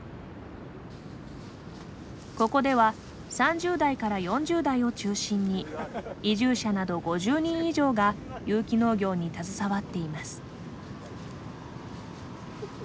ここでは３０代４０代を中心に移住者など５０人以上が有機農業に携わっています。